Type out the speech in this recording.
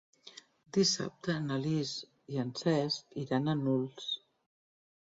Dissabte na Lis i en Cesc iran a Nulles.